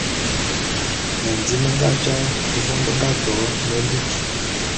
Mendim me nga jaé vôm be nga to ne lut.